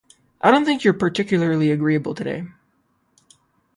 I don't think you're particularly agreeable to-day.